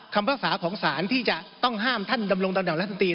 คำภาษาของสารที่จะต้องห้ามท่านดำรงตำแหน่งรัฐมนตรี